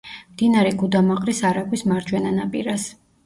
მდინარე გუდამაყრის არაგვის მარჯვენა ნაპირას.